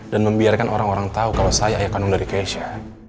dan membiarkan orang orang tahu kalau saya ayah kandung dari keisha